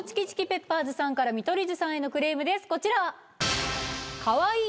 ペッパーズさんから見取り図さんへのクレームですこちら。